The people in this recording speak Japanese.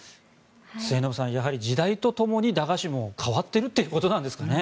末延さん時代とともに駄菓子も変わっているということですかね。